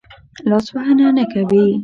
لاس وهنه نه کوي.